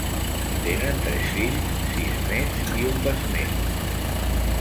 Tenen tres fills, sis nets i un besnét.